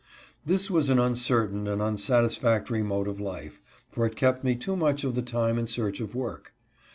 This was an uncertain and unsatisfactory mode of life, for it kept me too much of the time in search of work.